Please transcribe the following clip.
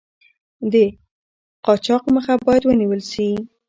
د قاچاق مخه باید ونیول شي.